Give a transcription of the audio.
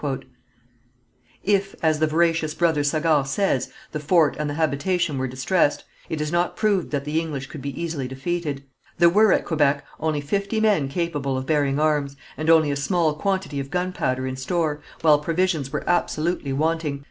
If, as the veracious Brother Sagard says, the fort and the habitation were distressed, it is not proved that the English could be easily defeated. There were at Quebec only fifty men capable of bearing arms, and only a small quantity of gunpowder in store, while provisions were absolutely wanting.